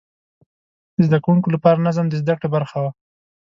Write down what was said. د زده کوونکو لپاره نظم د زده کړې برخه وه.